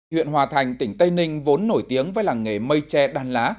huyện hòa thành tỉnh tây ninh vốn nổi tiếng với làng nghề mây tre đan lá